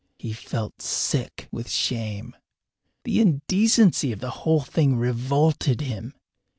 He felt sick with shame. The indecency of the whole thing revolted him.